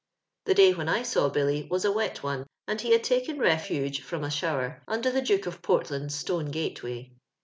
The day when I saw Billy was a wet one, and he had taken refuge from a shower imder the Duke of Portland's stone gateway.